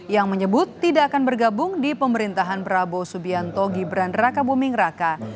yang menyebut tidak akan bergabung di pemerintahan prabowo subianto gibran raka buming raka